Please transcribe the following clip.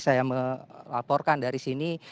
saya melaporkan dari sini